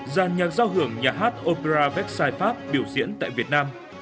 dàn nhạc giao hưởng nhà hát opera vecchiai pháp biểu diễn tại việt nam